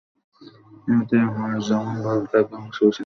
এতে হাড় যেমন ভালো থাকবে, মাংসপেশি দুর্বল হবে না, রক্ত চলাচলও বাড়বে।